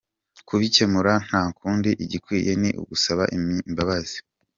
Kubikemura nta kundi, igikwiye ni ugusaba imbabazi.